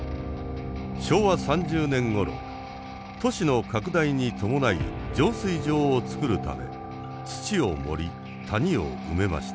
昭和３０年ごろ都市の拡大に伴い浄水場を造るため土を盛り谷を埋めました。